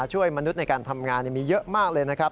ช่วยมนุษย์ในการทำงานมีเยอะมากเลยนะครับ